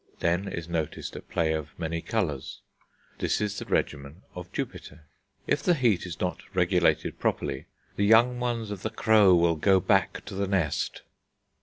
Then is noticed a play of many colours; this is the regimen of Jupiter: if the heat is not regulated properly, "the young ones of the crow will go back to the nest."